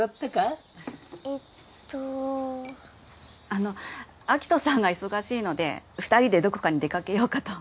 あの秋斗さんが忙しいので２人でどこかに出掛けようかと。